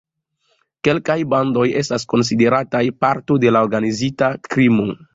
Kelkaj bandoj estas konsiderataj parto de organizita krimo.